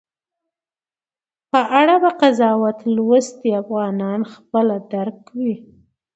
په اړه به قضاوت لوستي افغانان خپله درک وي